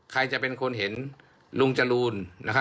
ใครจะเป็นคนเห็นลุงจรูน